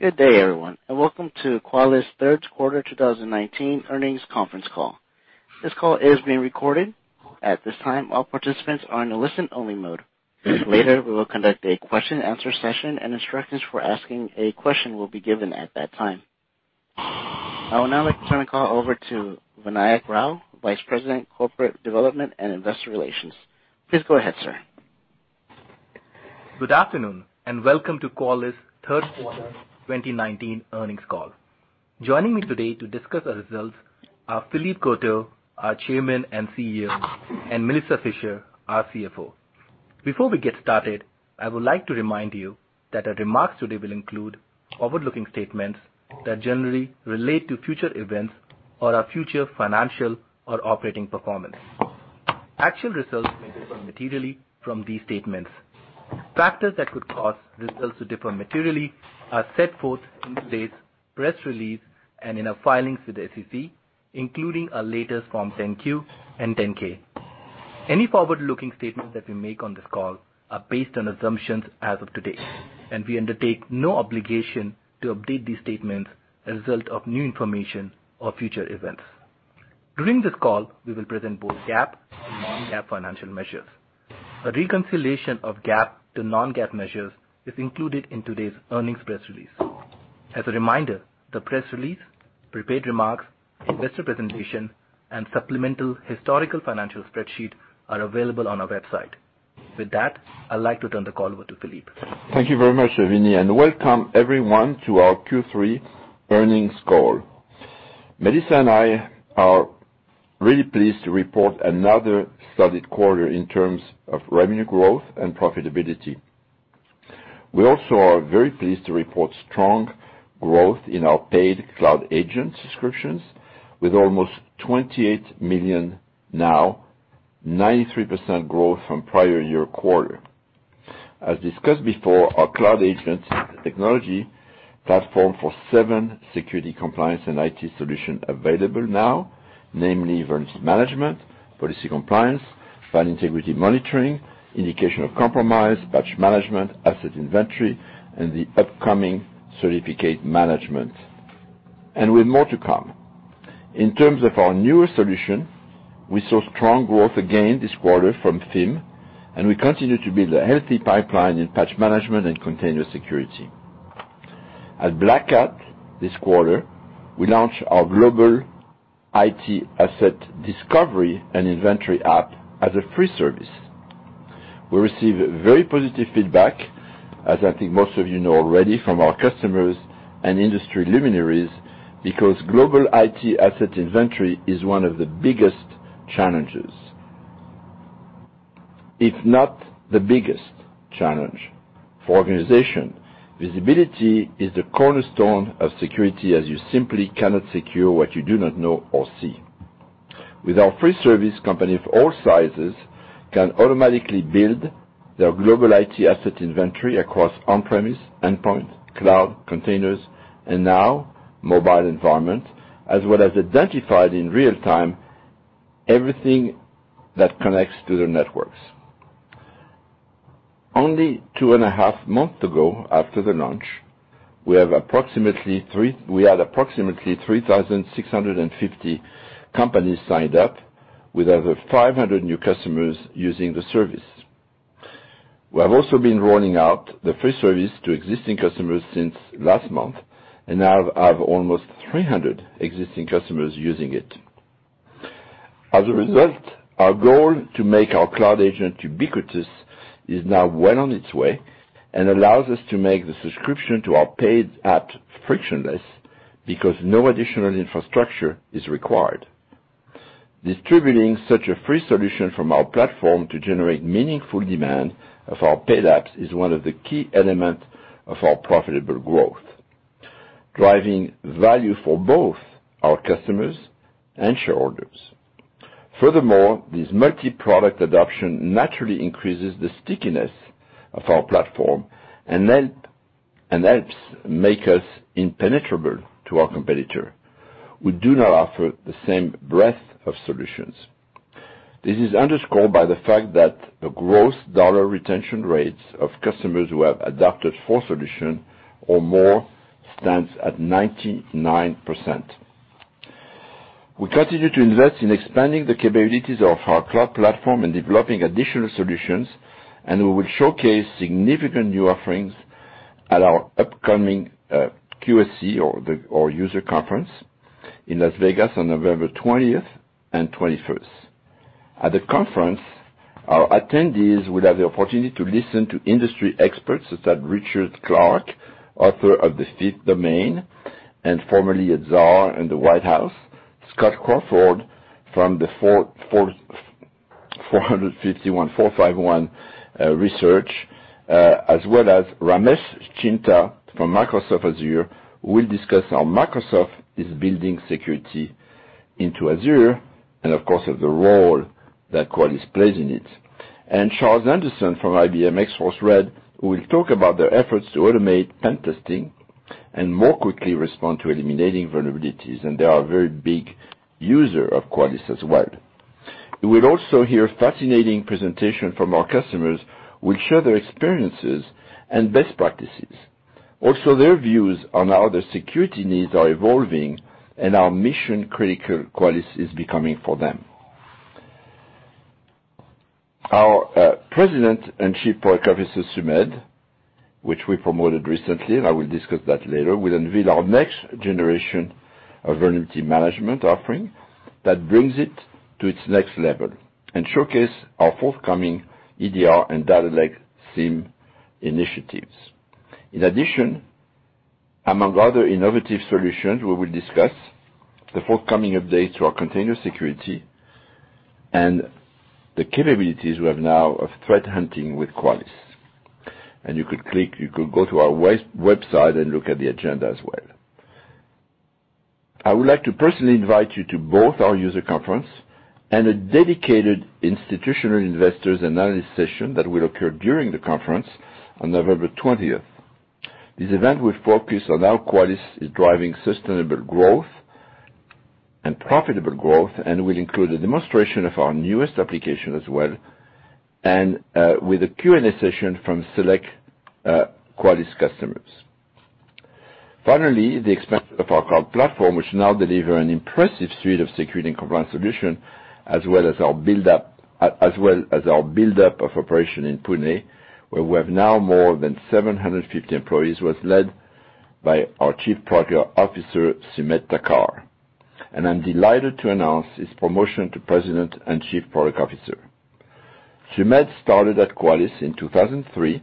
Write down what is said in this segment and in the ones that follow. Good day, everyone. Welcome to Qualys' third quarter 2019 earnings conference call. This call is being recorded. At this time, all participants are in a listen-only mode. Later, we will conduct a question and answer session, and instructions for asking a question will be given at that time. I would now like to turn the call over to Vinayak Rao, Vice President, Corporate Development and Investor Relations. Please go ahead, sir. Good afternoon, and welcome to Qualys' third quarter 2019 earnings call. Joining me today to discuss our results are Philippe Courtot, our Chairman and CEO, and Melissa Fisher, our CFO. Before we get started, I would like to remind you that our remarks today will include forward-looking statements that generally relate to future events or our future financial or operating performance. Actual results may differ materially from these statements. Factors that could cause results to differ materially are set forth in today's press release and in our filings with the SEC, including our latest Forms 10-Q and 10-K. Any forward-looking statements that we make on this call are based on assumptions as of today, and we undertake no obligation to update these statements as a result of new information or future events. During this call, we will present both GAAP and non-GAAP financial measures. A reconciliation of GAAP to non-GAAP measures is included in today's earnings press release. As a reminder, the press release, prepared remarks, investor presentation, and supplemental historical financial spreadsheet are available on our website. With that, I'd like to turn the call over to Philippe. Thank you very much, Vini, and welcome, everyone, to our Q3 earnings call. Melissa and I are really pleased to report another solid quarter in terms of revenue growth and profitability. We also are very pleased to report strong growth in our paid Cloud Agent subscriptions with almost 28 million now, 93% growth from prior year quarter. As discussed before, our Cloud Agent technology platform for seven security compliance and IT solution available now, namely Vulnerability Management, Policy Compliance, File Integrity Monitoring, Indication of Compromise, Patch Management, Asset Inventory, and the upcoming Certificate Management. With more to come. In terms of our newer solution, we saw strong growth again this quarter from FIM, and we continue to build a healthy pipeline in Patch Management and Container Security. At Black Hat this quarter, we launched our global IT asset discovery and inventory app as a free service. We received very positive feedback, as I think most of you know already, from our customers and industry luminaries because global IT asset inventory is one of the biggest challenges. If not the biggest challenge for organization. Visibility is the cornerstone of security, as you simply cannot secure what you do not know or see. With our free service, companies of all sizes can automatically build their global IT Asset Inventory across on-premise, endpoint, cloud, containers, and now mobile environment, as well as identified in real time everything that connects to their networks. Only two and a half months ago after the launch, we had approximately 3,650 companies signed up with over 500 new customers using the service. We have also been rolling out the free service to existing customers since last month and now have almost 300 existing customers using it. As a result, our goal to make our Cloud Agent ubiquitous is now well on its way and allows us to make the subscription to our paid app frictionless because no additional infrastructure is required. Distributing such a free solution from our platform to generate meaningful demand of our paid apps is one of the key elements of our profitable growth, driving value for both our customers and shareholders. This multi-product adoption naturally increases the stickiness of our platform and helps make us impenetrable to our competitor. We do not offer the same breadth of solutions. This is underscored by the fact that the gross dollar retention rates of customers who have adopted four solution or more stands at 99%. We continue to invest in expanding the capabilities of our cloud platform and developing additional solutions. We will showcase significant new offerings at our upcoming QSC or user conference in Las Vegas on November 20th and 21st. At the conference, our attendees will have the opportunity to listen to industry experts such as Richard Clarke, author of "The Fifth Domain" and formerly at Czar in the White House, Scott Crawford from the 451 Research, as well as Ramesh Chinta from Microsoft Azure, who will discuss how Microsoft is building security into Azure and of course, the role that Qualys plays in it. Charles Anderson from IBM X-Force Red, who will talk about their efforts to automate pen testing and more quickly respond to eliminating vulnerabilities. They are a very big user of Qualys as well. You will also hear a fascinating presentation from our customers, which share their experiences and best practices. Their views on how the security needs are evolving and our mission-critical Qualys is becoming for them. Our President and Chief Product Officer, Sumedh, which we promoted recently, and I will discuss that later, will unveil our next generation of Vulnerability Management offering that brings it to its next level and showcase our forthcoming EDR and Data Lake SIEM initiatives. Among other innovative solutions, we will discuss the forthcoming updates to our Container Security and the capabilities we have now of threat hunting with Qualys. You could click, you could go to our website and look at the agenda as well. I would like to personally invite you to both our user conference and a dedicated institutional investors and analysts session that will occur during the conference on November 20th. This event will focus on how Qualys is driving sustainable growth and profitable growth and will include a demonstration of our newest application as well, and with a Q&A session from select Qualys customers. Finally, the expansion of our cloud platform, which now deliver an impressive suite of security and compliance solution, as well as our buildup of operation in Pune, where we have now more than 750 employees, was led by our Chief Product Officer, Sumedh Thakar. I'm delighted to announce his promotion to President and Chief Product Officer. Sumedh started at Qualys in 2003,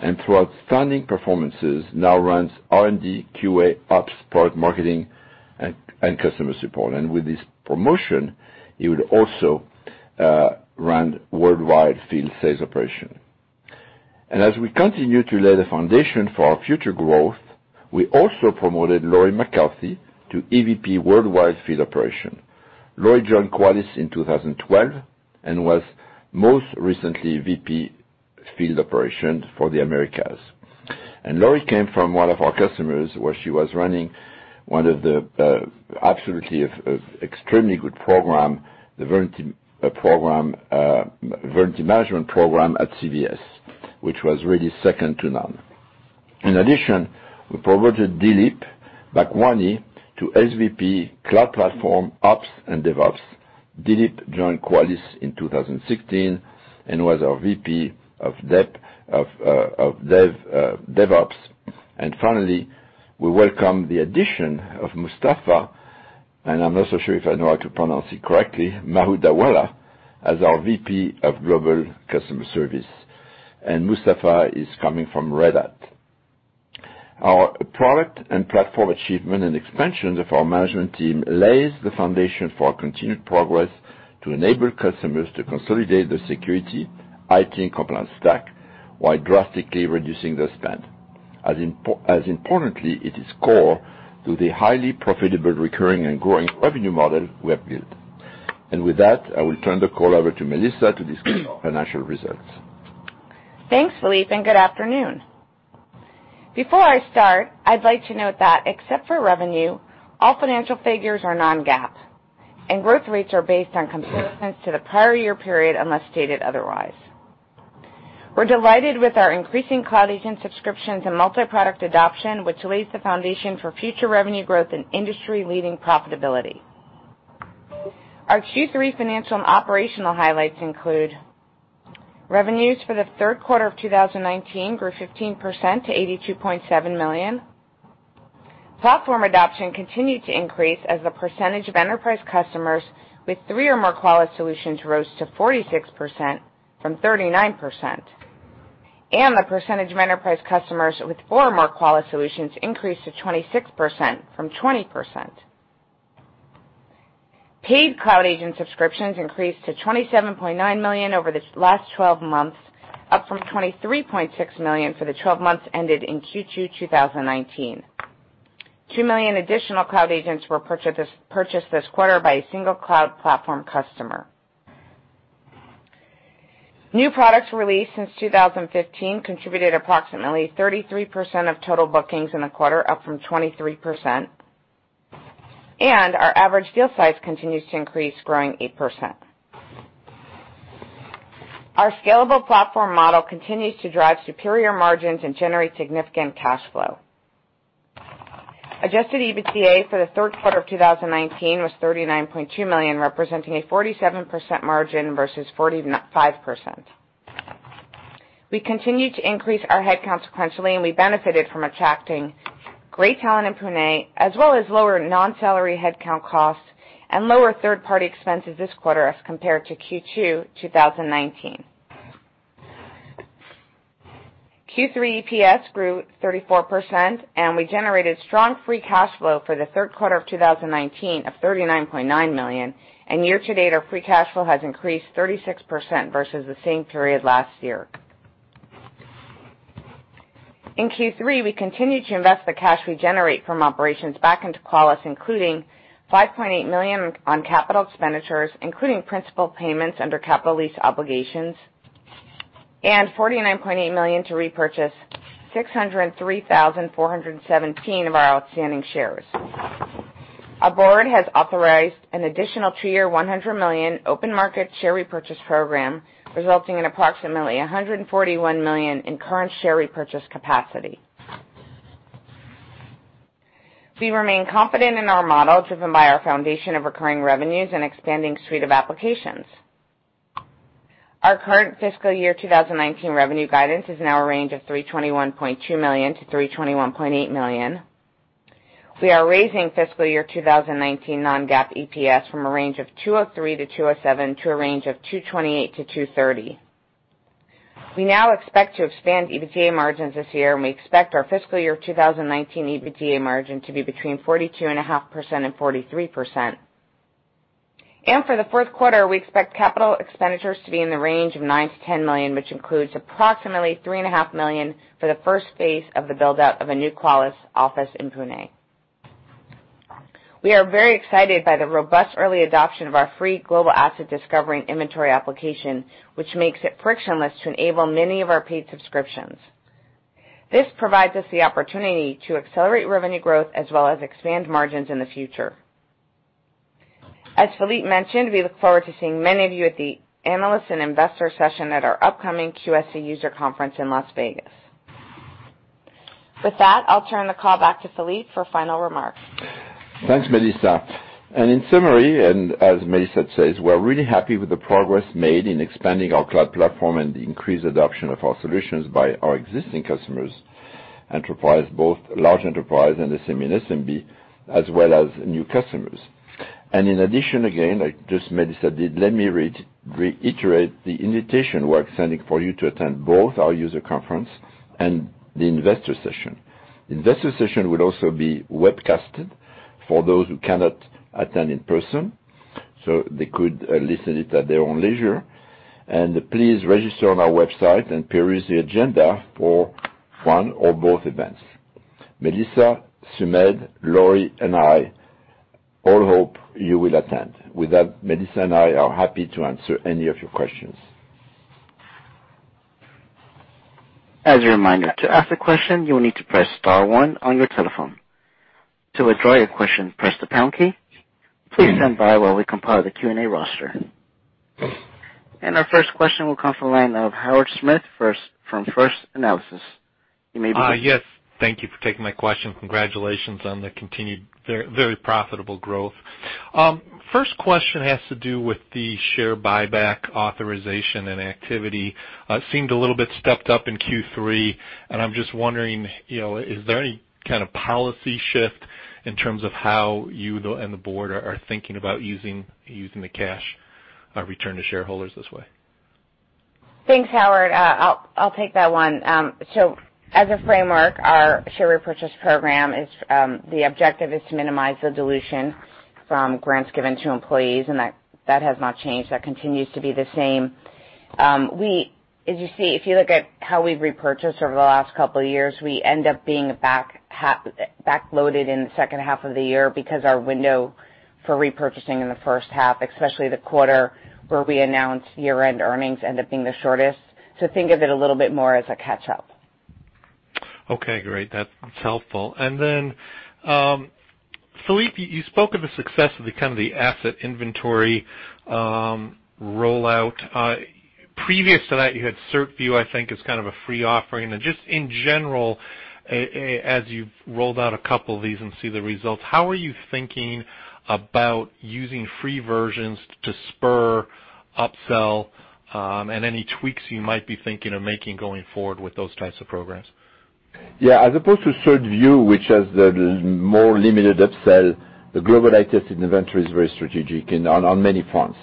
and through outstanding performances, now runs R&D, QA, ops, product marketing, and customer support. With this promotion, he will also run worldwide field sales operation. As we continue to lay the foundation for our future growth, we also promoted Laurie MacCarthy to EVP, Worldwide Field Operations. Laurie joined Qualys in 2012 and was most recently VP, Field Operations for the Americas. Laurie came from one of our customers, where she was running one of the absolutely extremely good program, the Vulnerability Management program at CVS, which was really second to none. In addition, we promoted Dilip Bachwani to SVP, Cloud Platform, Ops and Dev Ops. Dilip joined Qualys in 2016 and was our VP of DevOps. Finally, we welcome the addition of Mustafa, and I'm not so sure if I know how to pronounce it correctly, Mahudhawala, as our VP of Global Customer Service. Mustafa is coming from Red Hat. Our product and platform achievement and expansions of our management team lays the foundation for our continued progress to enable customers to consolidate their security, IT, and compliance stack, while drastically reducing their spend. As importantly, it is core to the highly profitable, recurring, and growing revenue model we have built. With that, I will turn the call over to Melissa to discuss our financial results. Thanks, Philippe. Good afternoon. Before I start, I'd like to note that except for revenue, all financial figures are non-GAAP, and growth rates are based on comparisons to the prior year period, unless stated otherwise. We're delighted with our increasing Cloud Agent subscriptions and multi-product adoption, which lays the foundation for future revenue growth and industry-leading profitability. Our Q3 financial and operational highlights include revenues for the third quarter of 2019 grew 15% to $82.7 million. Platform adoption continued to increase as the percentage of enterprise customers with three or more Qualys solutions rose to 46% from 39%. The percentage of enterprise customers with four or more Qualys solutions increased to 26% from 20%. Paid Cloud Agent subscriptions increased to $27.9 million over this last 12 months, up from $23.6 million for the 12 months ended in Q2 2019. 2 million additional Cloud Agents were purchased this quarter by a single cloud platform customer. New products released since 2015 contributed approximately 33% of total bookings in the quarter, up from 23%. Our average deal size continues to increase, growing 8%. Our scalable platform model continues to drive superior margins and generate significant cash flow. Adjusted EBITDA for the third quarter of 2019 was $39.2 million, representing a 47% margin versus 45%. We continue to increase our head count sequentially, and we benefited from attracting great talent in Pune, as well as lower non-salary head count costs and lower third-party expenses this quarter as compared to Q2 2019. Q3 EPS grew 34%, and we generated strong free cash flow for the third quarter of 2019 of $39.9 million, and year to date, our free cash flow has increased 36% versus the same period last year. In Q3, we continued to invest the cash we generate from operations back into Qualys, including $5.8 million on capital expenditures, including principal payments under capital lease obligations. $49.8 million to repurchase 603,417 of our outstanding shares. Our board has authorized an additional two-year, $100 million open market share repurchase program, resulting in approximately $141 million in current share repurchase capacity. We remain confident in our model, driven by our foundation of recurring revenues and expanding suite of applications. Our current fiscal year 2019 revenue guidance is now a range of $321.2 million-$321.8 million. We are raising fiscal year 2019 non-GAAP EPS from a range of $2.03-$2.07 to a range of $2.28-$2.30. We now expect to expand EBITDA margins this year, and we expect our fiscal year 2019 EBITDA margin to be between 42.5% and 43%. For the fourth quarter, we expect capital expenditures to be in the range of $9 million-$10 million, which includes approximately $3.5 million for the first phase of the build-out of a new Qualys office in Pune. We are very excited by the robust early adoption of our free global asset discovery and inventory application, which makes it frictionless to enable many of our paid subscriptions. This provides us the opportunity to accelerate revenue growth as well as expand margins in the future. As Philippe mentioned, we look forward to seeing many of you at the analyst and investor session at our upcoming QSC user conference in Las Vegas. With that, I'll turn the call back to Philippe for final remarks. Thanks, Melissa. In summary, and as Melissa says, we're really happy with the progress made in expanding our cloud platform and the increased adoption of our solutions by our existing customers, enterprise, both large enterprise and the SME and SMB, as well as new customers. In addition, again, like just Melissa did, let me reiterate the invitation we're extending for you to attend both our user conference and the investor session. Investor session will also be webcasted for those who cannot attend in person, so they could listen it at their own leisure. Please register on our website and peruse the agenda for one or both events. Melissa, Sumedh, Laurie, and I all hope you will attend. With that, Melissa and I are happy to answer any of your questions. As a reminder, to ask a question, you will need to press star 1 on your telephone. To withdraw your question, press the pound key. Please stand by while we compile the Q&A roster. Our first question will come from the line of Howard Smith from First Analysis. You may begin. Yes. Thank you for taking my question. Congratulations on the continued very profitable growth. First question has to do with the share buyback authorization and activity. Seemed a little bit stepped up in Q3. I am just wondering, is there any kind of policy shift in terms of how you and the Board are thinking about using the cash return to shareholders this way? Thanks, Howard. I'll take that one. As a framework, our share repurchase program, the objective is to minimize the dilution from grants given to employees, and that has not changed. That continues to be the same. If you look at how we've repurchased over the last couple of years, we end up being back-loaded in the second half of the year because our window for repurchasing in the first half, especially the quarter where we announce year-end earnings, end up being the shortest. Think of it a little bit more as a catch-up. Okay, great. That's helpful. Then, Philippe, you spoke of the success of the Asset Inventory rollout. Previous to that, you had CertView, I think, as kind of a free offering. Just in general, as you've rolled out a couple of these and see the results, how are you thinking about using free versions to spur upsell, and any tweaks you might be thinking of making going forward with those types of programs? Yeah. As opposed to CertView, which has the more limited upsell, the global IT inventory is very strategic on many fronts.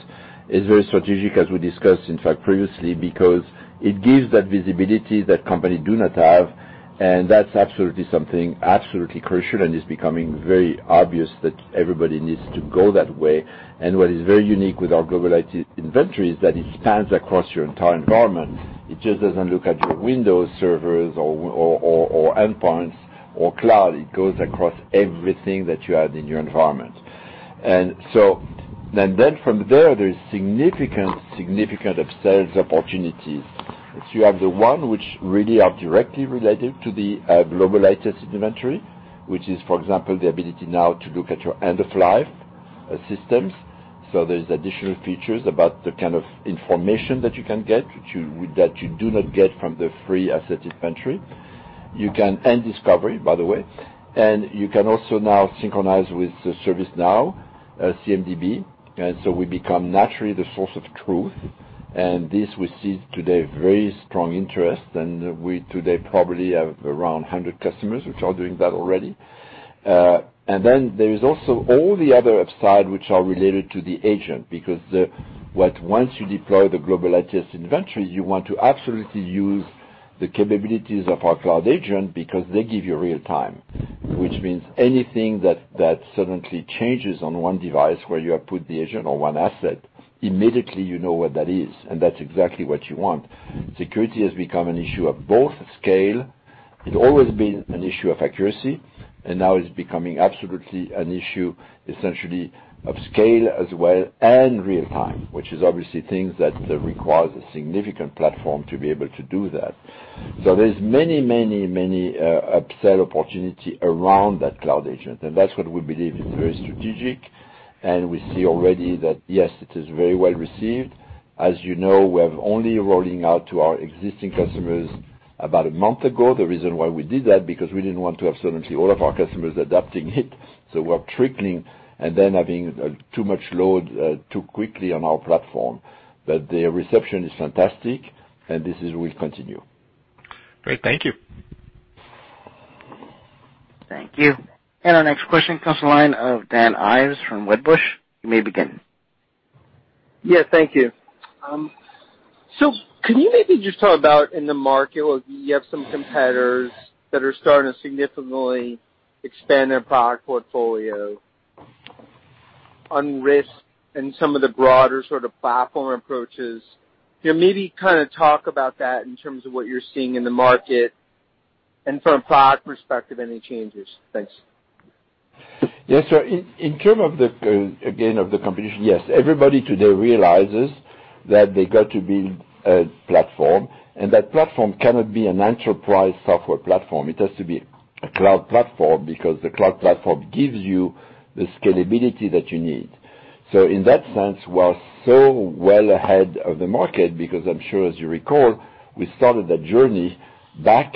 It's very strategic, as we discussed, in fact, previously, because it gives that visibility that company do not have, and that's absolutely something absolutely crucial and is becoming very obvious that everybody needs to go that way. What is very unique with our global IT inventory is that it spans across your entire environment. It just doesn't look at your Windows servers or endpoints or cloud. It goes across everything that you have in your environment. From there is significant upsells opportunities. You have the one which really are directly related to the global IT inventory, which is, for example, the ability now to look at your end-of-life systems. There's additional features about the kind of information that you can get that you do not get from the free Asset Inventory. Discovery, by the way. You can also now synchronize with the ServiceNow CMDB. We become naturally the source of truth. This we see today very strong interest, and we today probably have around 100 customers which are doing that already. Then there is also all the other upside which are related to the agent, because once you deploy the global IT inventory, you want to absolutely use the capabilities of our Cloud Agent because they give you real-time, which means anything that suddenly changes on one device where you have put the agent on one asset, immediately you know what that is, and that's exactly what you want. Security has become an issue of both scale. It's always been an issue of accuracy, and now it's becoming absolutely an issue essentially of scale as well, and real time, which is obviously things that requires a significant platform to be able to do that. There's many, many, many upsell opportunity around that Cloud Agent, and that's what we believe is very strategic, and we see already that, yes, it is very well received. As you know, we have only rolling out to our existing customers about a month ago. The reason why we did that, because we didn't want to have suddenly all of our customers adapting it, so we're trickling and then having too much load too quickly on our platform. The reception is fantastic, and this, we'll continue. Great. Thank you. Thank you. Our next question comes from the line of Dan Ives from Wedbush. You may begin. Yeah, thank you. Can you maybe just talk about in the market where you have some competitors that are starting to significantly expand their product portfolio on risk and some of the broader sort of platform approaches. Maybe talk about that in terms of what you're seeing in the market and from a product perspective, any changes? Thanks. Yes. In term of the, again, of the competition, yes, everybody today realizes that they got to build a platform, and that platform cannot be an enterprise software platform. It has to be a cloud platform because the cloud platform gives you the scalability that you need. In that sense, we are so well ahead of the market because I'm sure, as you recall, we started that journey back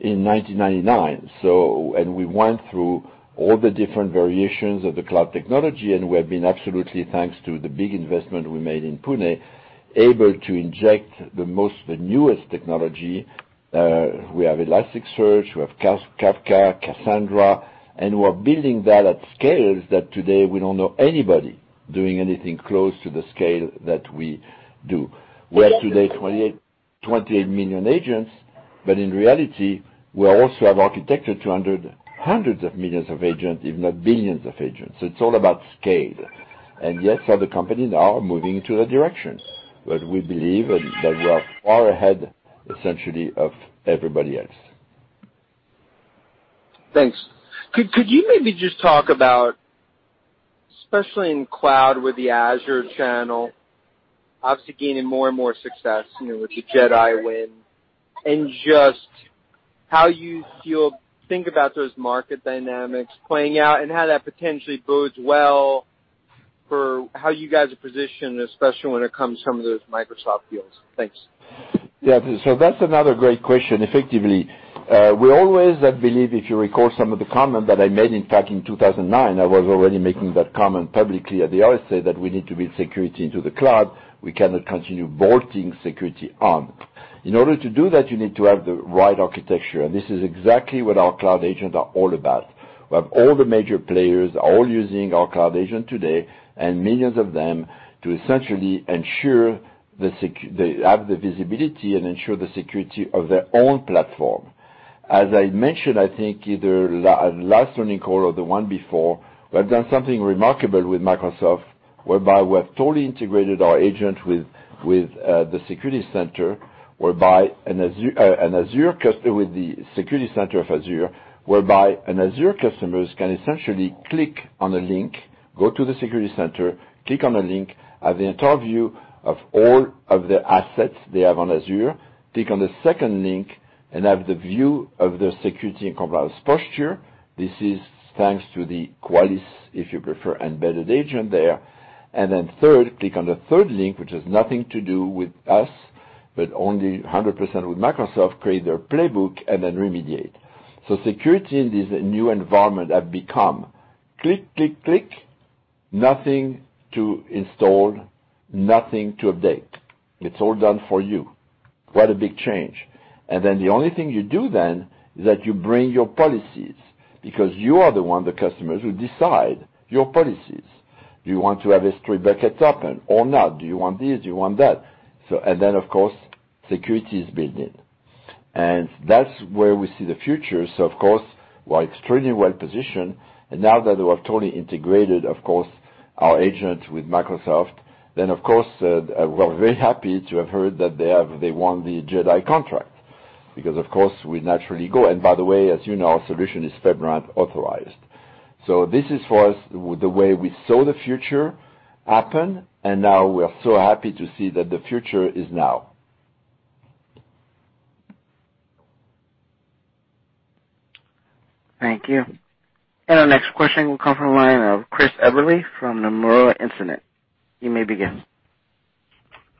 in 1999. We went through all the different variations of the cloud technology, and we have been absolutely, thanks to the big investment we made in Pune, able to inject the most, the newest technology. We have Elasticsearch, we have Kafka, Cassandra, and we're building that at scales that today we don't know anybody doing anything close to the scale that we do. We have today 28 million agents, but in reality, we also have architected hundreds of millions of agents, if not billions of agents. It's all about scale. Yes, other companies are moving into that direction, but we believe that we are far ahead, essentially, of everybody else. Thanks. Could you maybe just talk about, especially in cloud with the Azure channel, obviously gaining more and more success, with the JEDI win, and just how you feel, think about those market dynamics playing out and how that potentially bodes well for how you guys are positioned, especially when it comes to some of those Microsoft deals. Thanks. That's another great question. Effectively, we always have believed, if you recall some of the comment that I made, in fact, in 2009, I was already making that comment publicly at the RSA, that we need to build security into the cloud. We cannot continue bolting security on. In order to do that, you need to have the right architecture, and this is exactly what our Cloud Agent are all about. We have all the major players all using our Cloud Agent today and millions of them to essentially ensure they have the visibility and ensure the security of their own platform. As I mentioned, I think either last earnings call or the one before, we have done something remarkable with Microsoft, whereby we have totally integrated our agent with the security center of Azure, whereby an Azure customers can essentially click on a link, go to the security center, click on a link, have the entire view of all of the assets they have on Azure, click on the second link, and have the view of their security and compliance posture. This is thanks to the Qualys, if you prefer, embedded agent there. Third, click on the third link, which has nothing to do with us, but only 100% with Microsoft, create their playbook, and then remediate. Security in this new environment have become click, click. Nothing to install, nothing to update. It's all done for you. What a big change. The only thing you do then is that you bring your policies because you are the one, the customers who decide your policies. Do you want to have a strict buckets happen or not? Do you want this? Do you want that? Of course, security is built in. That's where we see the future. Of course, we're extremely well-positioned. Now that we have totally integrated, of course, our agent with Microsoft, then of course, we're very happy to have heard that they won the JEDI contract because, of course, we naturally go. By the way, as you know, our solution is FedRAMP authorized. This is, for us, the way we saw the future happen, and now we are so happy to see that the future is now. Thank you. Our next question will come from the line of Christopher Eberle from Nomura Instinet. You may begin.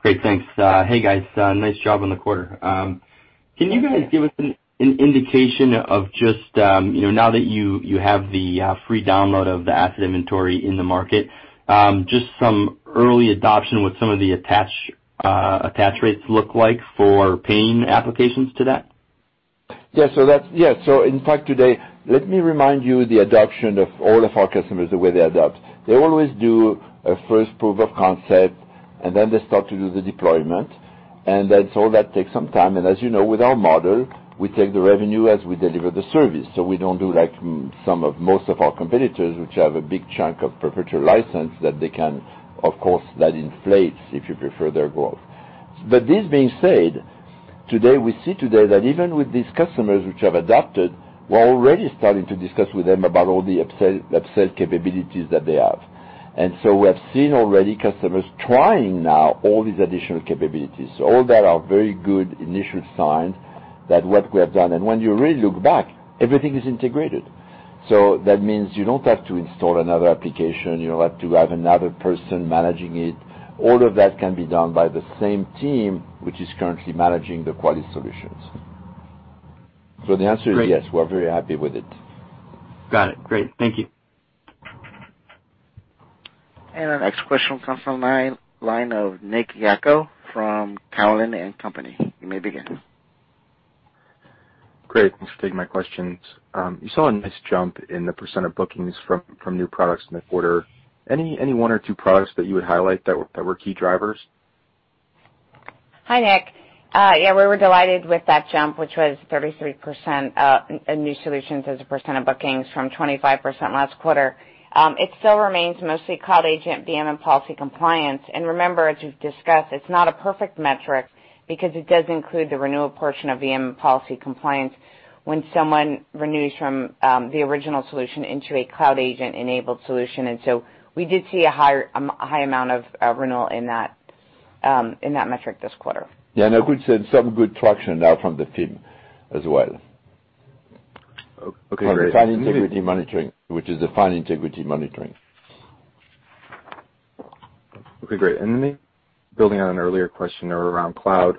Great. Thanks. Hey, guys. Nice job on the quarter. Can you guys give us an indication of just, now that you have the free download of the Asset Inventory in the market, just some early adoption, what some of the attach rates look like for paying applications to that? Yeah. In fact, today, let me remind you the adoption of all of our customers, the way they adopt. They always do a first proof of concept, and then they start to do the deployment. That takes some time. As you know, with our model, we take the revenue as we deliver the service. We don't do like most of our competitors, which have a big chunk of perpetual license that they can, of course, that inflates, if you prefer, their growth. This being said, today, we see that even with these customers which have adopted, we're already starting to discuss with them about all the upsell capabilities that they have. We have seen already customers trying now all these additional capabilities. All that are very good initial signs that what we have done. When you really look back, everything is integrated. That means you don't have to install another application. You don't have to have another person managing it. All of that can be done by the same team, which is currently managing the Qualys solutions. The answer is yes, we're very happy with it. Got it. Great. Thank you. Our next question comes from the line of Nick Yako from Cowen and Company. You may begin. Great, thanks for taking my questions. You saw a nice jump in the % of bookings from new products in the quarter. Any one or two products that you would highlight that were key drivers? Hi, Nick. Yeah, we were delighted with that jump, which was 33% in new solutions as a percent of bookings from 25% last quarter. It still remains mostly Cloud Agent, VM, and Policy Compliance. Remember, as we've discussed, it's not a perfect metric because it does include the renewal portion of VM Policy Compliance when someone renews from the original solution into a Cloud Agent-enabled solution. We did see a high amount of renewal in that metric this quarter. Yeah, I could say some good traction now from the FIM as well. Okay, great. File Integrity Monitoring, which is the File Integrity Monitoring. Okay, great. Building on an earlier question around cloud.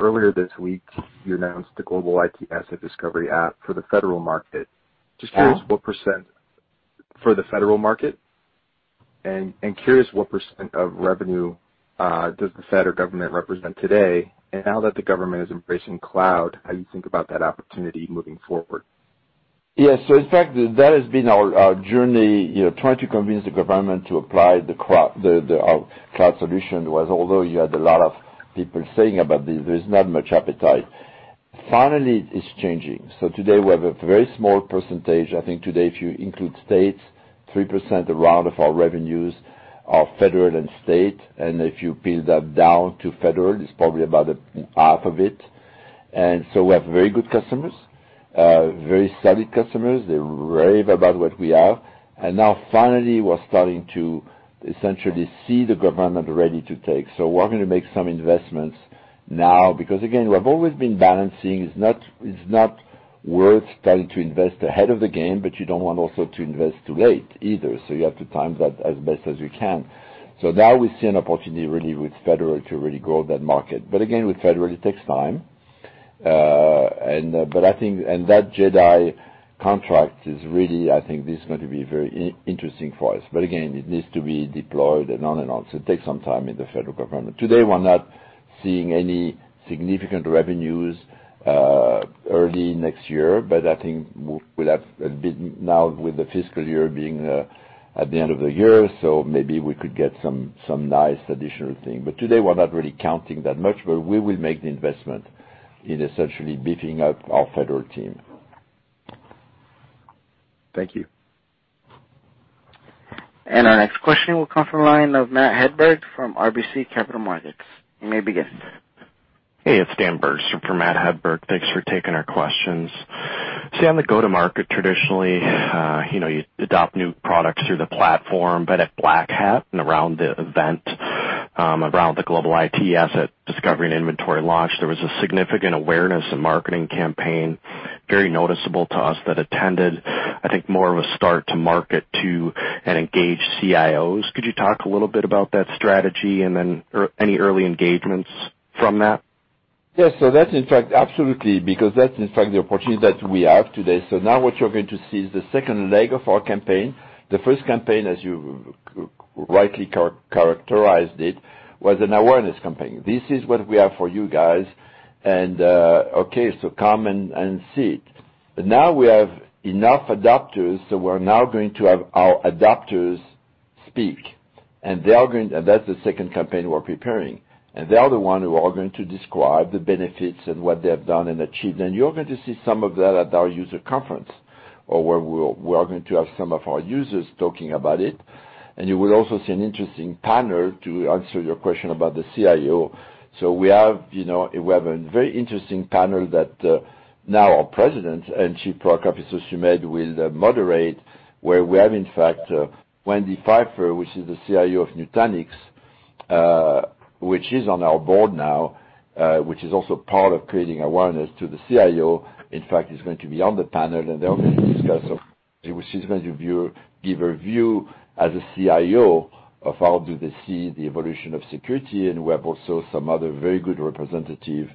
Earlier this week, you announced the global IT asset discovery app for the federal market. Just curious what % for the federal market, and curious what % of revenue does the federal government represent today, and now that the government is embracing cloud, how you think about that opportunity moving forward? Yes. In fact, that has been our journey, trying to convince the government to apply our cloud solution, was although you had a lot of people saying about this, there's not much appetite. Finally, it's changing. Today, we have a very small percentage. I think today, if you include states, 3% around of our revenues are federal and state, and if you pin that down to federal, it's probably about half of it. We have very good customers, very solid customers. They rave about what we have. Now finally, we're starting to essentially see the government ready to take. We're going to make some investments now because, again, we have always been balancing. It's not worth starting to invest ahead of the game, but you don't want also to invest too late either. You have to time that as best as you can. Now we see an opportunity really with federal to really grow that market. Again, with federal, it takes time. That JEDI contract is really, I think, this is going to be very interesting for us. Again, it needs to be deployed and on and on, so it takes some time in the federal government. Today, we're not seeing any significant revenues early next year, but I think we'll have a bit now with the fiscal year being at the end of the year, so maybe we could get some nice additional thing. Today we're not really counting that much, but we will make the investment in essentially beefing up our federal team. Thank you. Our next question will come from the line of Matthew Hedberg from RBC Capital Markets. You may begin. Hey, it's Dan Bergstrom for Matt Hedberg. Thanks for taking our questions. Sumedh, the go-to-market, traditionally, you adopt new products through the platform, but at Black Hat and around the event, around the global IT asset discovery and inventory launch, there was a significant awareness and marketing campaign, very noticeable to us that attended, I think more of a start to market to and engage CIOs. Could you talk a little bit about that strategy and then any early engagements from that? Yes. That's in fact, absolutely, because that's in fact the opportunity that we have today. Now what you're going to see is the second leg of our campaign. The first campaign, as you rightly characterized it, was an awareness campaign. This is what we have for you guys and okay, come and see. Now we have enough adopters, we're now going to have our adopters speak. That's the second campaign we're preparing. They are the ones who are going to describe the benefits and what they have done and achieved. You're going to see some of that at our user conference, or where we're going to have some of our users talking about it. You will also see an interesting panel to answer your question about the CIO. We have a very interesting panel that now our President and Chief Product Officer, Sumedh, will moderate, where we have, in fact, Wendy Pfeiffer, who is the CIO of Nutanix, which is on our board now, which is also part of creating awareness to the CIO. In fact, she's going to be on the panel, and they're all going to discuss. She's going to give her view as a CIO of how do they see the evolution of security. We have also some other very good representative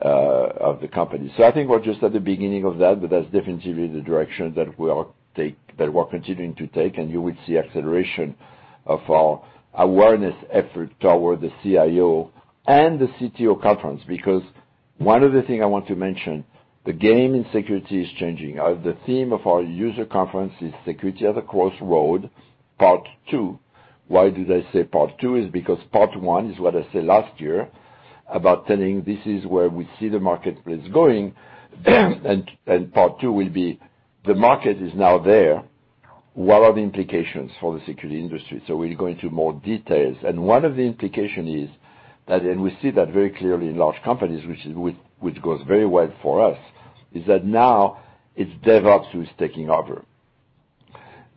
of the company. I think we're just at the beginning of that, but that's definitely the direction that we're continuing to take, and you will see acceleration of our awareness effort toward the CIO and the CTO conference. One of the things I want to mention, the game in security is changing. The theme of our user conference is Security at the Crossroad, part 2. Why did I say part 2? Is because part 1 is what I said last year about telling this is where we see the marketplace going. Part 2 will be the market is now there. What are the implications for the security industry? We'll go into more details. One of the implication is that, and we see that very clearly in large companies, which goes very well for us, is that now it's DevOps who's taking over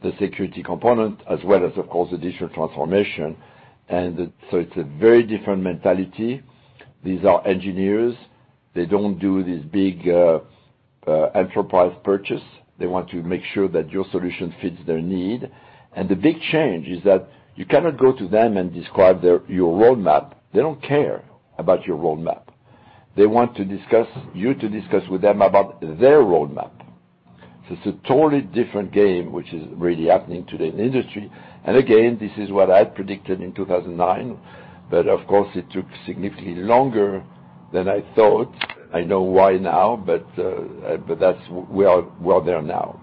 the security component as well as, of course, the digital transformation. It's a very different mentality. These are engineers. They don't do this big enterprise purchase. They want to make sure that your solution fits their need. The big change is that you cannot go to them and describe your roadmap. They don't care about your roadmap. They want you to discuss with them about their roadmap. It's a totally different game, which is really happening today in the industry. Again, this is what I had predicted in 2009, of course it took significantly longer than I thought. I know why now, we are there now.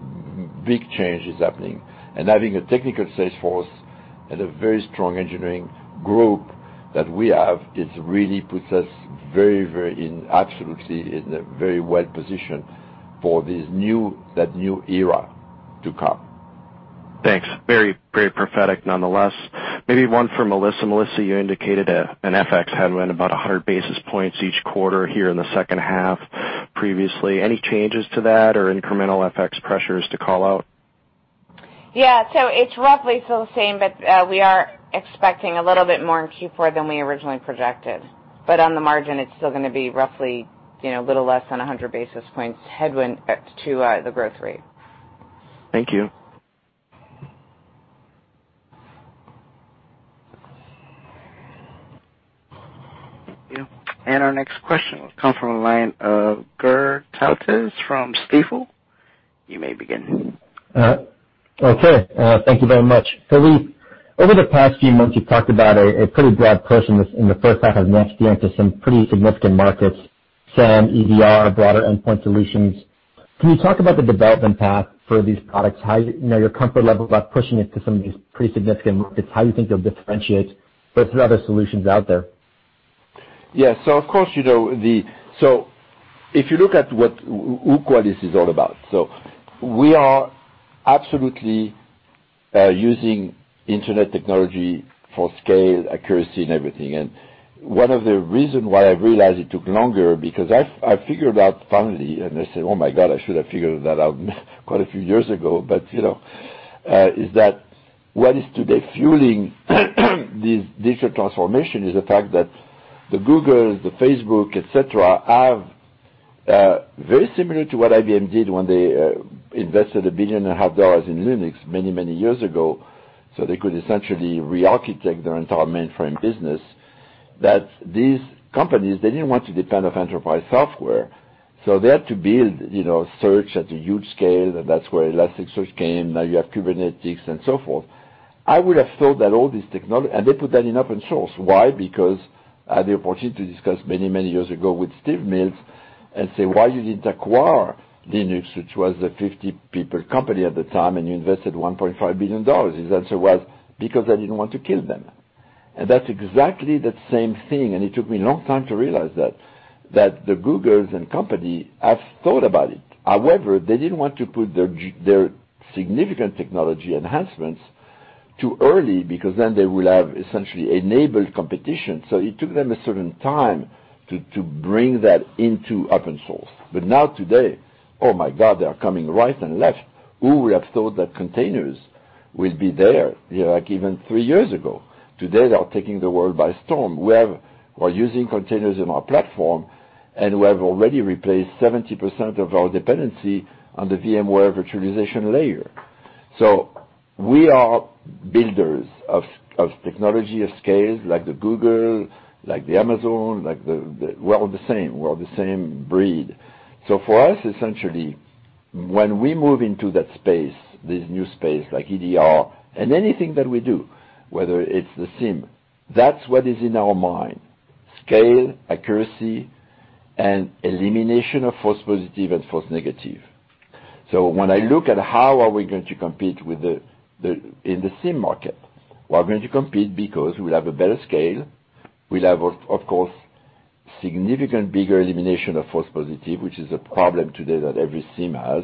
Big change is happening, having a technical sales force and a very strong engineering group that we have, it really puts us absolutely in a very well position for that new era to come. Thanks. Very prophetic nonetheless. Maybe one for Melissa. Melissa, you indicated an FX headwind about 100 basis points each quarter here in the second half previously. Any changes to that or incremental FX pressures to call out? It's roughly still the same, but we are expecting a little bit more in Q4 than we originally projected. On the margin, it's still going to be roughly a little less than 100 basis points headwind to the growth rate. Thank you. Our next question will come from the line of Gur Talpaz from Stifel. You may begin. Okay. Thank you very much. Philippe, over the past few months, you talked about a pretty broad push in the first half of next year into some pretty significant markets, SIEM, EDR, broader endpoint solutions. Can you talk about the development path for these products, your comfort level about pushing it to some of these pretty significant markets, how you think you'll differentiate with other solutions out there? Yes. If you look at what Qualys is all about, so we are absolutely using internet technology for scale, accuracy, and everything. One of the reason why I realized it took longer, because I figured out finally and I said, "Oh my God, I should have figured that out quite a few years ago." Is that what is today fueling this digital transformation is the fact that the Googles, the Facebook, et cetera, have very similar to what IBM did when they invested $1.5 billion in Linux many years ago, so they could essentially rearchitect their entire mainframe business, that these companies, they didn't want to depend on enterprise software. They had to build search at a huge scale. That's where Elasticsearch came. Now you have Kubernetes and so forth. I would have thought that all this technology, and they put that in open source. Why? Because I had the opportunity to discuss many years ago with Steve Mills and say, "Why you didn't acquire Linux?" which was a 50-people company at the time, and you invested $1.5 billion. His answer was, "Because I didn't want to kill them." That's exactly the same thing. It took me a long time to realize that the Googles and company have thought about it. However, they didn't want to put their significant technology enhancements too early because then they will have essentially enabled competition. It took them a certain time to bring that into open source. Now today, oh my God, they are coming right and left. Who would have thought that containers will be there even three years ago? Today, they are taking the world by storm. We're using containers in our platform, and we have already replaced 70% of our dependency on the VMware virtualization layer. We are builders of technology of scale like the Google, like the Amazon. We're all the same. We're all the same breed. For us, essentially, when we move into that space, this new space like EDR and anything that we do, whether it's the SIEM, that's what is in our mind, scale, accuracy, and elimination of false positive and false negative. When I look at how are we going to compete in the SIEM market, we're going to compete because we'll have a better scale. We'll have, of course, significant bigger elimination of false positive, which is a problem today that every SIEM has.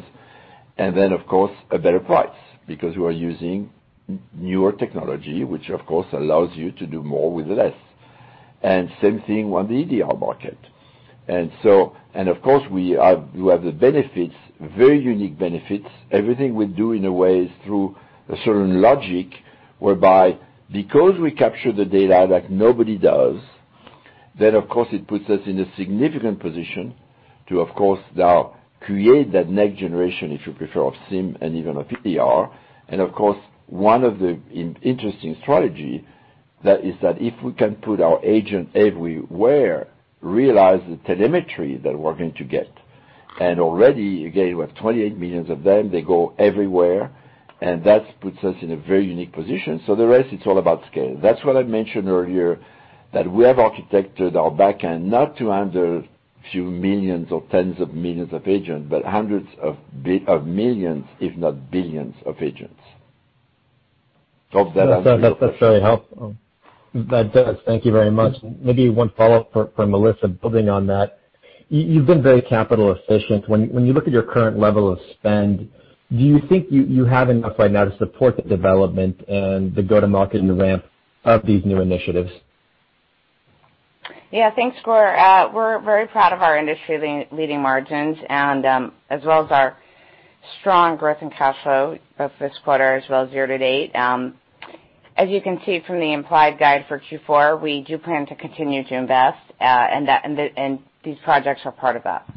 Of course, a better price because we are using newer technology, which of course allows you to do more with less. Same thing on the EDR market. Of course, we have the benefits, very unique benefits. Everything we do in a way is through a certain logic whereby because we capture the data that nobody does, then of course it puts us in a significant position to, of course, now create that next generation, if you prefer, of SIEM and even of EDR. Of course, one of the interesting strategy that is that if we can put our agent everywhere, realize the telemetry that we're going to get. Already, again, we have 28 millions of them. They go everywhere, and that puts us in a very unique position. The rest, it's all about scale. That's what I mentioned earlier, that we have architected our back end not to handle few millions or tens of millions of agents, but hundreds of millions if not billions of agents. Hope that answers your question. That does. Thank you very much. One follow-up for Melissa building on that. You've been very capital efficient. When you look at your current level of spend, do you think you have enough right now to support the development and the go-to-market and ramp of these new initiatives? Yeah, thanks, Gur. We're very proud of our industry-leading margins and as well as our strong growth in cash flow of this quarter as well as year to date. As you can see from the implied guide for Q4, we do plan to continue to invest, and these projects are part of that.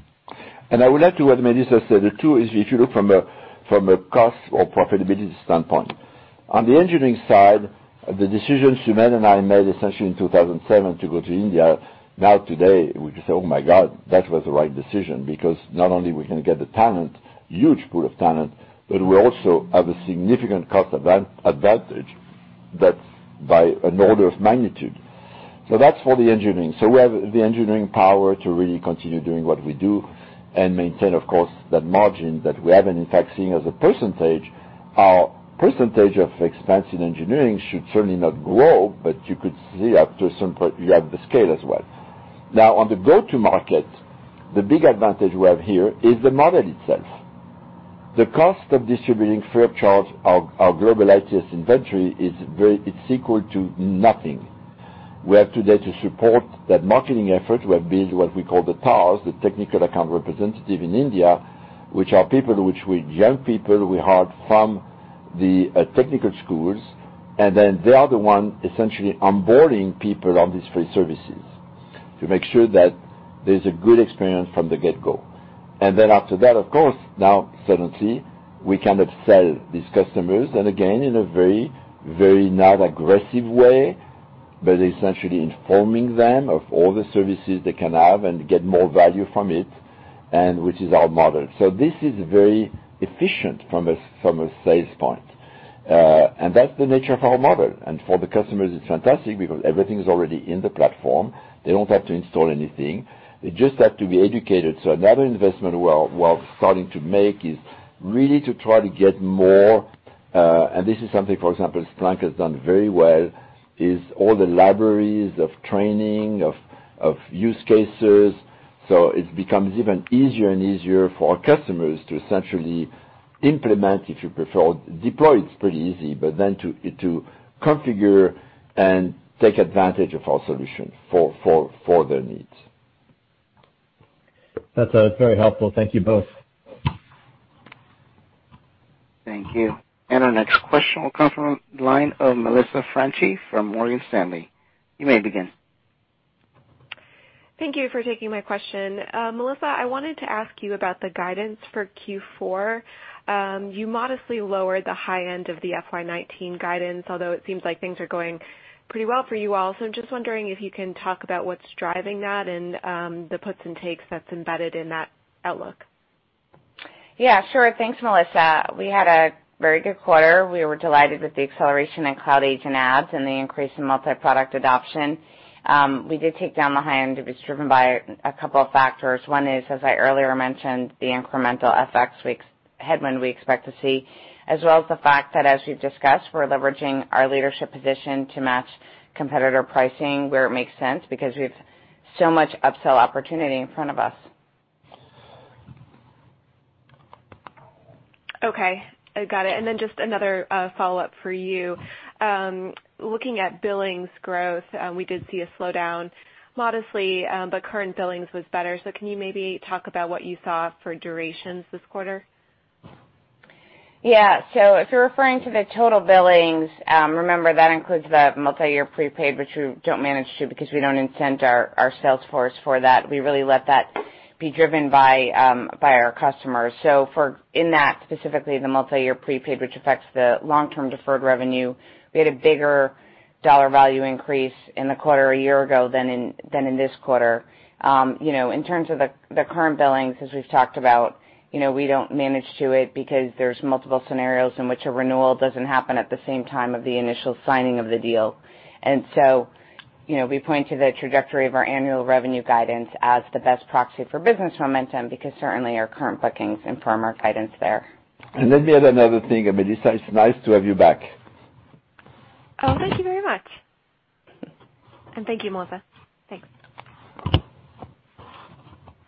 I would add to what Melissa said too, is if you look from a cost or profitability standpoint. On the engineering side, the decisions Sumedh and I made essentially in 2007 to go to India, today we can say, "Oh my God, that was the right decision." Not only we can get the talent, huge pool of talent, but we also have a significant cost advantage that's by an order of magnitude. That's for the engineering. We have the engineering power to really continue doing what we do and maintain, of course, that margin that we have. In fact, seeing as a percentage, our percentage of expense in engineering should certainly not grow, but you could see up to some point you have the scale as well. On the go-to-market, the big advantage we have here is the model itself. The cost of distributing free of charge our global IT Asset Inventory it's equal to nothing. We have today to support that marketing effort, we have built what we call the TARs, the Technical Account Representative in India, which are young people we hired from the technical schools. They are the one essentially onboarding people on these free services to make sure that there's a good experience from the get-go. After that, of course, now suddenly we kind of sell these customers, and again, in a very not aggressive way, but essentially informing them of all the services they can have and get more value from it, and which is our model. This is very efficient from a sales point. That's the nature of our model. For the customers, it's fantastic because everything is already in the platform. They don't have to install anything. They just have to be educated. Another investment we're starting to make is really to try to get more, and this is something, for example, Splunk has done very well, is all the libraries of training, of use cases. It becomes even easier and easier for our customers to essentially implement if you prefer. Deploy it's pretty easy, but then to configure and take advantage of our solution for their needs. That's very helpful. Thank you both. Thank you. Our next question will come from the line of Melissa Franchi from Morgan Stanley. You may begin. Thank you for taking my question. Melissa, I wanted to ask you about the guidance for Q4. You modestly lowered the high end of the FY 2019 guidance, although it seems like things are going pretty well for you all. Just wondering if you can talk about what's driving that and the puts and takes that's embedded in that outlook. Yeah, sure. Thanks, Melissa. We had a very good quarter. We were delighted with the acceleration in Cloud Agent adds and the increase in multi-product adoption. We did take down the high end. It was driven by a couple of factors. One is, as I earlier mentioned, the incremental FX headwind we expect to see, as well as the fact that as we've discussed, we're leveraging our leadership position to match competitor pricing where it makes sense because we have so much upsell opportunity in front of us. Okay, got it. Just another follow-up for you. Looking at billings growth, we did see a slowdown modestly, but current billings was better. Can you maybe talk about what you saw for durations this quarter? If you're referring to the total billings, remember that includes the multi-year prepaid, which we don't manage to because we don't incent our sales force for that. We really let that be driven by our customers. In that specifically the multi-year prepaid, which affects the long-term deferred revenue, we had a bigger dollar value increase in the quarter a year ago than in this quarter. In terms of the current billings, as we've talked about, we don't manage to it because there's multiple scenarios in which a renewal doesn't happen at the same time of the initial signing of the deal. We point to the trajectory of our annual revenue guidance as the best proxy for business momentum because certainly our current bookings inform our guidance there. Let me add another thing, Melissa, it's nice to have you back. Oh, thank you very much. Thank you, Melissa. Thanks.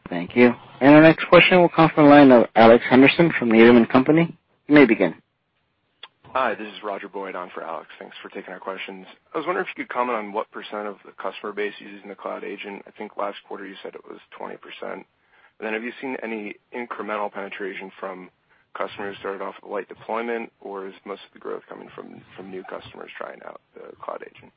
Thank you. Our next question will come from the line of Alex Henderson from Needham & Company. You may begin. Hi, this is Roger Boyd on for Alex. Thanks for taking our questions. I was wondering if you could comment on what % of the customer base uses in the Cloud Agent. I think last quarter you said it was 20%. Have you seen any incremental penetration from customers started off with light deployment, or is most of the growth coming from new customers trying out the Cloud Agent?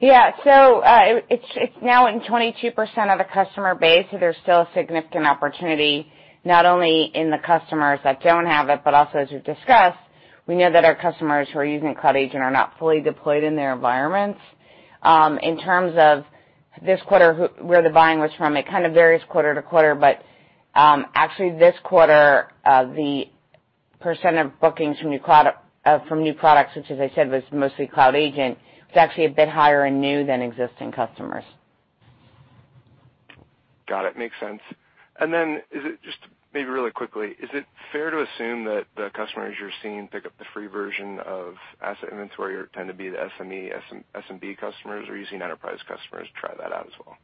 It's now in 22% of the customer base, so there's still a significant opportunity not only in the customers that don't have it, but also as we've discussed, we know that our customers who are using Cloud Agent are not fully deployed in their environments. In terms of this quarter, where the buying was from, it kind of varies quarter to quarter, but actually this quarter, the percent of bookings from new products, which as I said was mostly Cloud Agent, was actually a bit higher in new than existing customers. Got it. Makes sense. Just maybe really quickly, is it fair to assume that the customers you're seeing pick up the free version of Asset Inventory or tend to be the SME, SMB customers, or are you seeing enterprise customers try that out as well?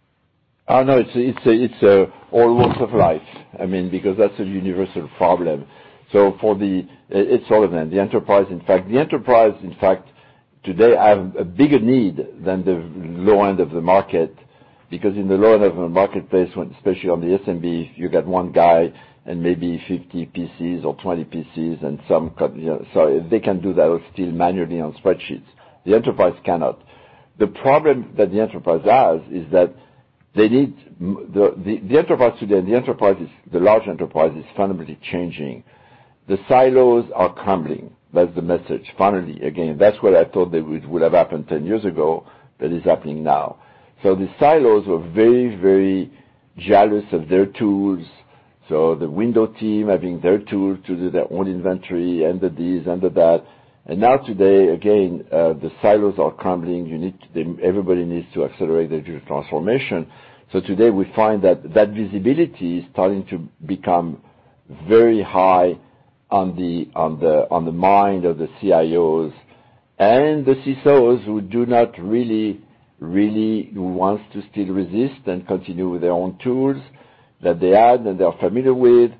No, it's all walks of life. That's a universal problem. It's all of them. The enterprise, in fact, today, have a bigger need than the low end of the market, because in the low end of the marketplace, especially on the SMB, you got one guy and maybe 50 PCs or 20 PCs. They can do that still manually on spreadsheets. The enterprise cannot. The problem that the enterprise has is that the enterprise today, the large enterprise is fundamentally changing. The silos are crumbling. That's the message. Finally, again, that's what I thought would have happened 10 years ago. That is happening now. The silos were very jealous of their tools. The Windows team having their tool to do their own inventory, and the this and the that. Now today, again, the silos are crumbling. Everybody needs to accelerate their digital transformation. Today we find that that visibility is starting to become very high on the mind of the CIOs and the CSOs, who do not really want to still resist and continue with their own tools that they had and they are familiar with.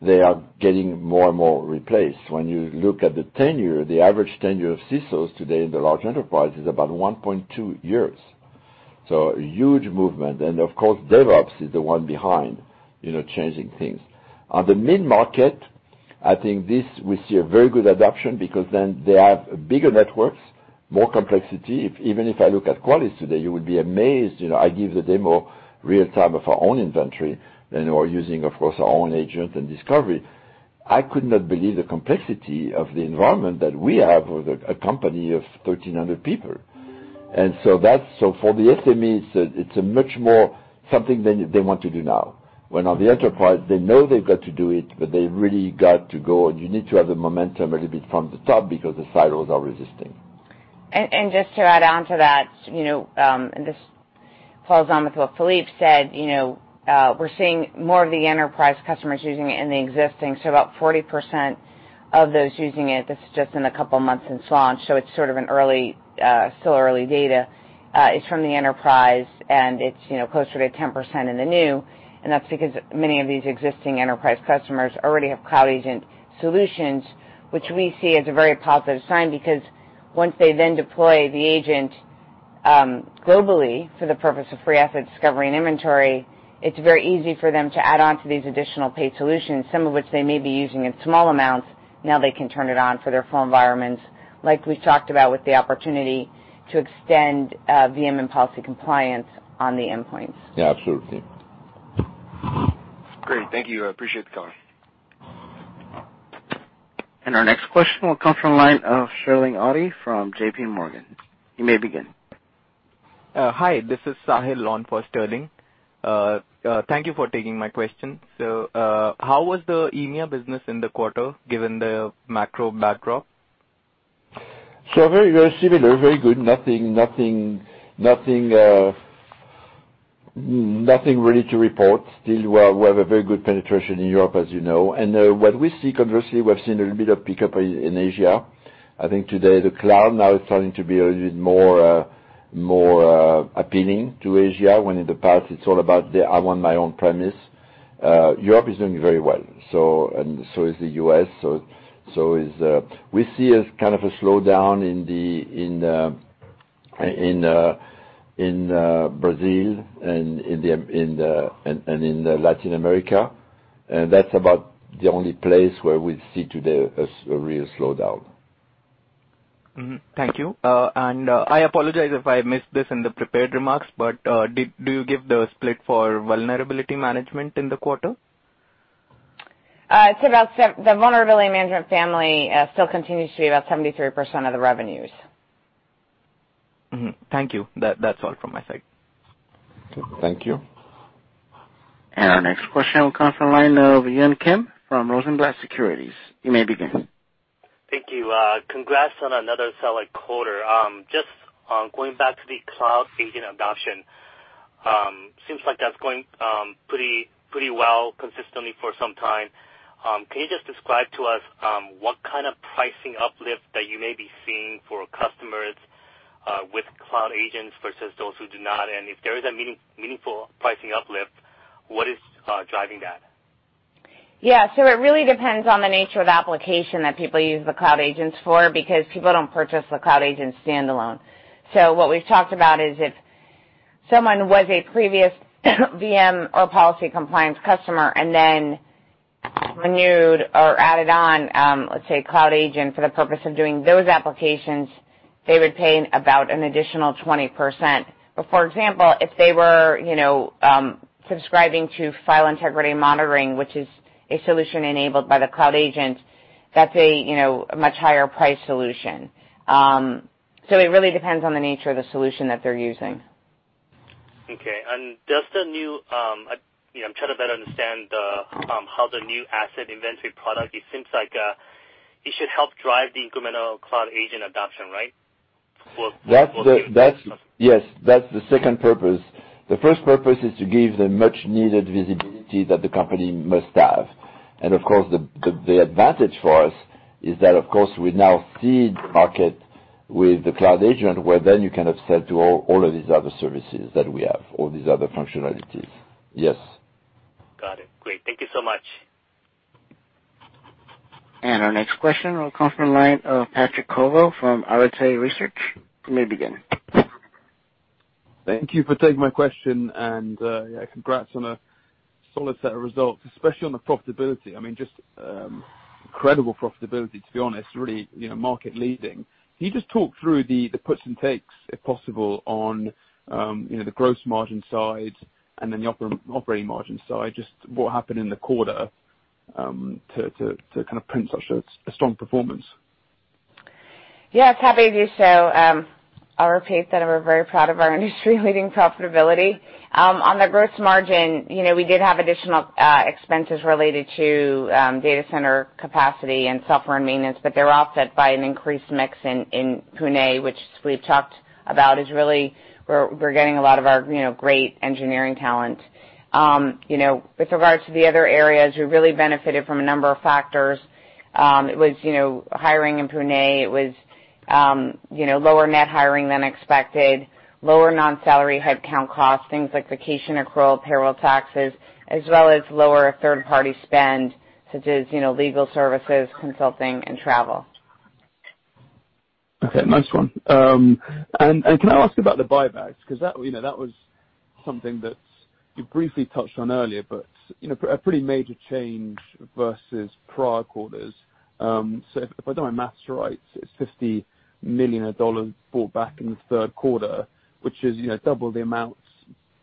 They are getting more and more replaced. When you look at the tenure, the average tenure of CSOs today in the large enterprise is about 1.2 years. A huge movement. Of course, DevOps is the one behind changing things. On the mid-market, I think this we see a very good adaption because then they have bigger networks, more complexity. Even if I look at Qualys today, you would be amazed. I give the demo real time of our own inventory and we're using, of course, our own agent and discovery. I could not believe the complexity of the environment that we have with a company of 1,300 people. For the SME, it's a much more something they want to do now, when on the enterprise they know they've got to do it, but they've really got to go, and you need to have the momentum a little bit from the top because the silos are resisting. Just to add on to that, and this follows on with what Philippe said, we're seeing more of the enterprise customers using it in the existing. About 40% of those using it, that's just in a couple of months since launch, so it's sort of still early data, is from the enterprise, and it's closer to 10% in the new. That's because many of these existing enterprise customers already have Cloud Agent solutions, which we see as a very positive sign, because once they then deploy the agent, globally for the purpose of free asset discovery and inventory, it's very easy for them to add on to these additional paid solutions, some of which they may be using in small amounts. Now they can turn it on for their full environments, like we've talked about, with the opportunity to extend VM and Policy Compliance on the endpoints. Yeah, absolutely. Great. Thank you. I appreciate the call. Our next question will come from the line of Sterling Auty from JPMorgan. You may begin. Hi, this is Sahil on for Sterling. Thank you for taking my question. How was the EMEA business in the quarter given the macro backdrop? Very similar, very good. Nothing really to report. Still, we have a very good penetration in Europe, as you know. What we see conversely, we've seen a little bit of pickup in Asia. I think today the cloud now is starting to be a little bit more appealing to Asia, when in the past it's all about the, "I want my own premise." Europe is doing very well, and so is the U.S. We see a kind of a slowdown in Brazil and in Latin America. That's about the only place where we see today a real slowdown. Thank you. I apologize if I missed this in the prepared remarks, but do you give the split for Vulnerability Management in the quarter? The vulnerability management family still continues to be about 73% of the revenues. Thank you. That's all from my side. Thank you. Our next question will come from the line of Yoon Kim from Rosenblatt Securities. You may begin. Thank you. Congrats on another solid quarter. Just on going back to the Cloud Agent adoption. Seems like that's going pretty well consistently for some time. Can you just describe to us what kind of pricing uplift that you may be seeing for customers, with Cloud Agents versus those who do not? If there is a meaningful pricing uplift, what is driving that? It really depends on the nature of the application that people use the Cloud Agents for, because people don't purchase the Cloud Agent standalone. What we've talked about is if someone was a previous VM or Policy Compliance customer and then renewed or added on, let's say, Cloud Agent for the purpose of doing those applications, they would pay about an additional 20%. For example, if they were subscribing to File Integrity Monitoring, which is a solution enabled by the Cloud Agent, that's a much higher price solution. It really depends on the nature of the solution that they're using. Okay. I'm trying to better understand how the new Asset Inventory product, it seems like it should help drive the incremental Cloud Agent adoption, right? Yes, that's the second purpose. The first purpose is to give the much needed visibility that the company must have. Of course, the advantage for us is that, of course, we now feed the market with the Cloud Agent, where then you can upsell to all of these other services that we have, all these other functionalities. Yes. Got it. Great. Thank you so much. Our next question will come from the line of Patrick Colville from Arete Research. You may begin. Thank you for taking my question and congrats on a solid set of results, especially on the profitability, just incredible profitability, to be honest, really market leading. Can you just talk through the puts and takes, if possible, on the gross margin side and then the operating margin side, just what happened in the quarter to print such a strong performance? Yes, happy to do so. I'll repeat that we're very proud of our industry-leading profitability. On the gross margin, we did have additional expenses related to data center capacity and software and maintenance, but they're offset by an increased mix in Pune, which we've talked about is really where we're getting a lot of our great engineering talent. With regards to the other areas, we really benefited from a number of factors. It was hiring in Pune, it was lower net hiring than expected, lower non-salary head count costs, things like vacation accrual, payroll taxes, as well as lower third-party spend, such as legal services, consulting, and travel. Okay. Nice one. Can I ask about the buybacks? That was something that you briefly touched on earlier, but a pretty major change versus prior quarters. If my math right, it's $50 million bought back in the third quarter. Which is double the amount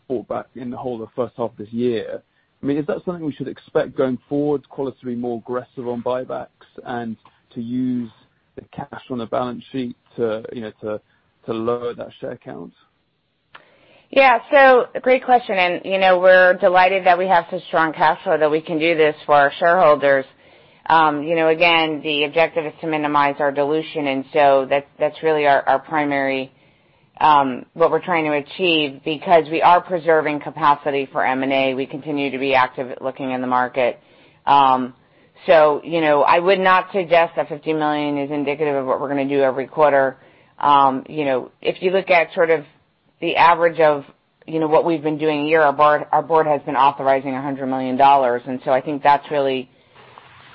bought back in the whole of the first half of this year. Is that something we should expect going forward, Qualys to be more aggressive on buybacks and to use the cash on the balance sheet to lower that share count? Yeah. Great question, and we're delighted that we have such strong cash flow that we can do this for our shareholders. Again, the objective is to minimize our dilution, and so that's really our primary, what we're trying to achieve because we are preserving capacity for M&A. We continue to be active at looking in the market. I would not suggest that $50 million is indicative of what we're going to do every quarter. If you look at sort of the average of what we've been doing a year, our board has been authorizing $100 million. I think that's really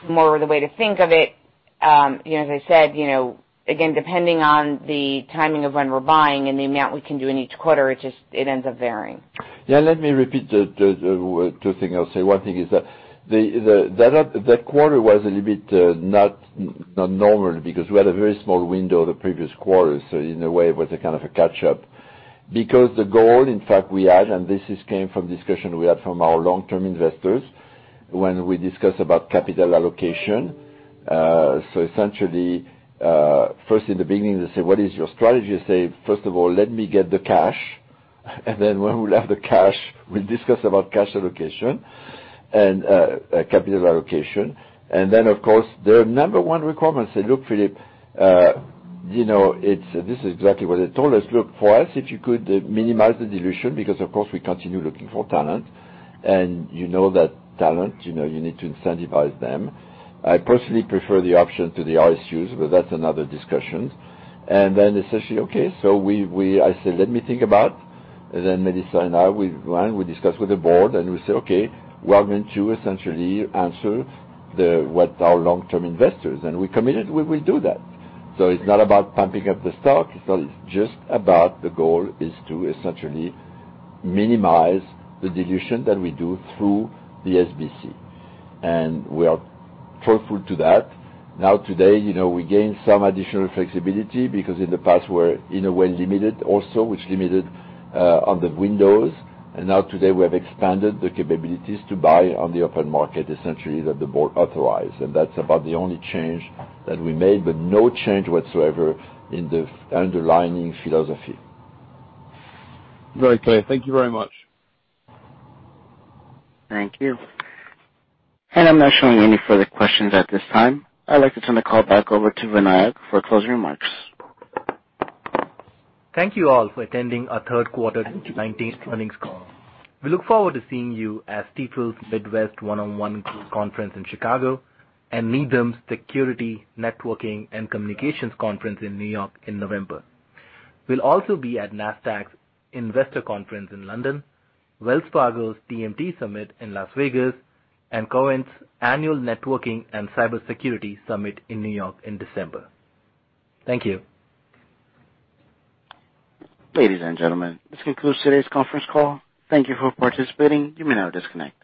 more the way to think of it. As I said, again, depending on the timing of when we're buying and the amount we can do in each quarter, it ends up varying. Let me repeat the two thing I'll say. One thing is that quarter was a little bit not normal because we had a very small window the previous quarter, so in a way, it was a kind of a catch-up. The goal, in fact, we had, and this came from discussion we had from our long-term investors when we discussed about capital allocation. They say, "What is your strategy?" I say, "First of all, let me get the cash, and then when we will have the cash, we'll discuss about cash allocation and capital allocation." Their number one requirement, say, "Look, Philippe." This is exactly what they told us, "Look, for us, if you could minimize the dilution," because, of course, we continue looking for talent, and you know that talent, you need to incentivize them. I personally prefer the option to the RSUs, but that's another discussion. Essentially, Melissa and I, we run, we discuss with the board, and we say, "We are going to essentially answer what our long-term investors," and we committed we will do that. It's not about pumping up the stock. It's just about the goal is to essentially minimize the dilution that we do through the SBC. We are truthful to that. Today, we gain some additional flexibility because in the past, we're in a way limited also, which limited on the windows. Today, we have expanded the capabilities to buy on the open market, essentially, that the board authorized, and that's about the only change that we made, but no change whatsoever in the underlying philosophy. Very clear. Thank you very much. Thank you. I'm not showing any further questions at this time. I'd like to turn the call back over to Vinayak for closing remarks. Thank you all for attending our third quarter 2019 earnings call. We look forward to seeing you at Stifel Midwest One-on-One Growth Conference in Chicago and Needham Security, Networking, and Communications Conference in New York in November. We'll also be at Nasdaq Investor Conference in London, Wells Fargo's TMT Summit in Las Vegas, and Cowen Annual Networking and Cybersecurity Summit in New York in December. Thank you. Ladies and gentlemen, this concludes today's conference call. Thank you for participating. You may now disconnect.